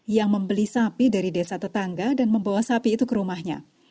yang membeli sapi dari desa tetangga dan membawa sapi itu ke rumahnya